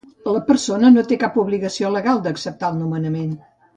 La persona no té cap obligació legal d'acceptar el nomenament.